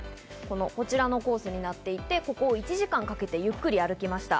こちらのコースになっていて、ここを１時間かけてゆっくり歩きました。